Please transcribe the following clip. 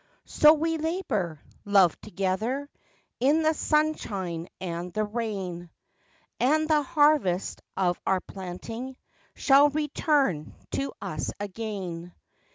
So we labor, love together, In the sunshine and the rain, And the harvest of our planting Shall return to us again.